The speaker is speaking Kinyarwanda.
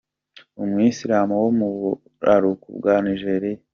Umu Islam wo nu buraruko bwa Nigeria,.